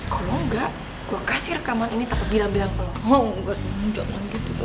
kalo enggak gue kasih rekaman ini tapi bilang dua kalo mau gak tuh jangan gitu